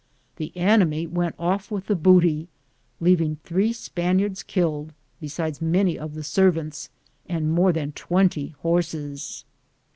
The enemy went off with the booty, leaving three Spaniards killed, besides many of the ser vants and more than twenty horses.